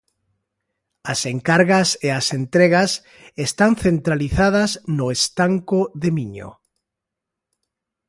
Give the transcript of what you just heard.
As encargas e as entregas están centralizadas no estanco de Miño.